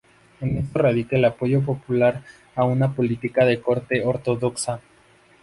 En esto radica el apoyo popular a una política de corte "ortodoxa".